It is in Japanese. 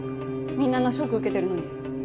みんなあんなショック受けてるのに。